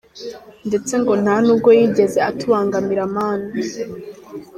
ndetse ngo nta nubwo yigeze atubangamira man.